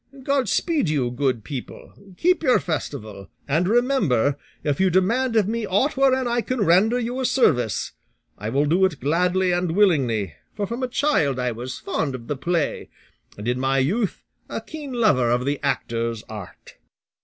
God speed you, good people; keep your festival, and remember, if you demand of me ought wherein I can render you a service, I will do it gladly and willingly, for from a child I was fond of the play, and in my youth a keen lover of the actor's art."